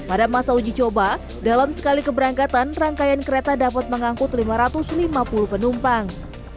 pada masa uji coba dalam sekali keberangkatan rangkaian kereta dapat mengangkut lima ratus lima puluh penumpang